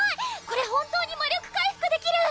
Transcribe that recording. これ本当に魔力回復できる！